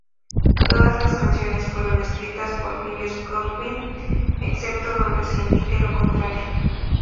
Todas las canciones fueron escritas por Myles Goodwyn, excepto donde se indique lo contrario.